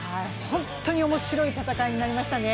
本当におもしろい戦いになりましたね。